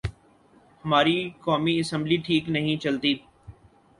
ہماری قومی اسمبلی ٹھیک نہیں چلتی۔